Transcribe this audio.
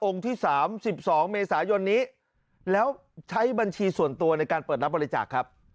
ที่๓๒เมษายนนี้แล้วใช้บัญชีส่วนตัวในการเปิดรับบริจาคครับ